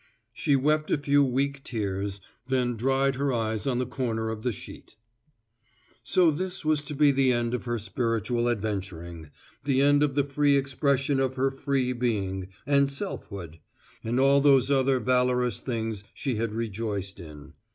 She wept a few weak tears, then dried her eyes on the corner of the sheet. So this was to be the end of her spiritual adventuring, the end of the free expression of her free being, and selfhood, and all those other valorous things she had rejoiced in.